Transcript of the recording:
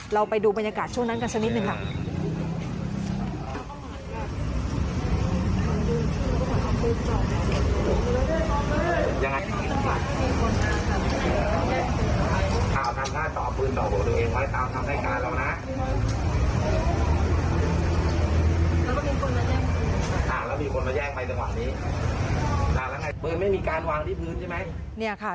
เราไปดูบรรยากาศช่วงนั้นกันชนิดนึงค่ะ